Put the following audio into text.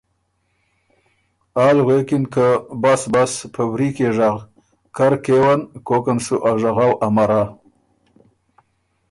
آل غوېکِن که ”بس بس په وریکيې ژغ، کر کېون، کوکن سُو ا ژغؤ امرا“